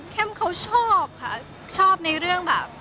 เข้มความชอบในเรื่องแบบ